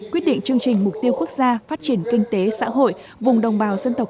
quyết định chương trình mục tiêu quốc gia phát triển kinh tế xã hội vùng đồng bào dân tộc